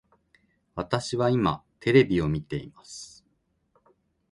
私は今テレビを見ています